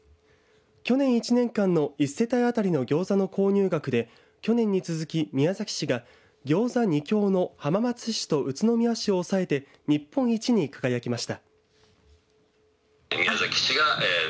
去年１年間の１世帯当たりのギョーザの購入額で去年に続き宮崎市がギョーザ２強の浜松市と宇都宮市を抑えて日本一に輝きました。